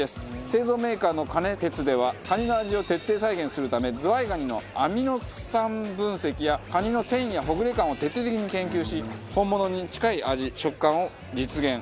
製造メーカーのカネテツではカニの味を徹底再現するためズワイガニのアミノ酸分析やカニの繊維やほぐれ感を徹底的に研究し本物に近い味食感を実現。